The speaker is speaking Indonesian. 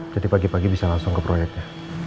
jadi pagi pagi bisa langsung ke proyeknya